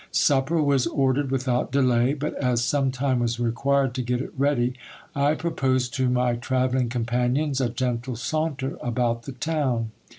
Supper was ordered without delay ; but as some time was required to get it ready, I pro posed to my travelling companions a gentle saunter about the town.